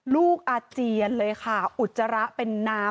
อาเจียนเลยค่ะอุจจาระเป็นน้ำ